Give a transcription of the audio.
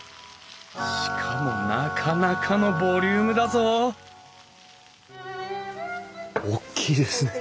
しかもなかなかのボリュームだぞ大きいですね。